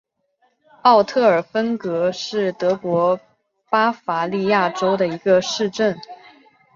奥特尔芬格是德国巴伐利亚州的一个市镇。